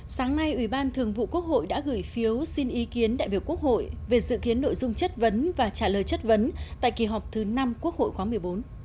sáng nay ủy ban thường vụ quốc hội đã gửi phiếu xin ý kiến đại biểu quốc hội về dự kiến nội dung chất vấn và trả lời chất vấn tại kỳ họp thứ năm quốc hội khóa một mươi bốn